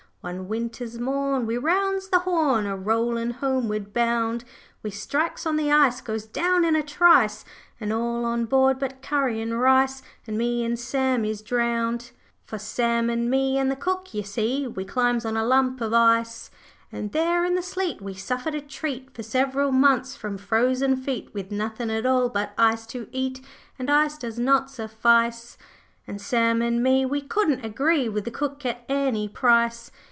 'One winter's morn we rounds the Horn, A rollin' homeward bound. We strikes on the ice, goes down in a trice, And all on board but Curry and Rice And me an' Sam is drowned. 'For Sam an' me an' the cook, yer see, We climbs on a lump of ice, And there in the sleet we suffered a treat For several months from frozen feet, With nothin' at all but ice to eat, And ice does not suffice. 'And Sam and me we couldn't agree With the cook at any price.